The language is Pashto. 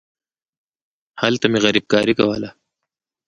هلته مې غريبکاري کوله.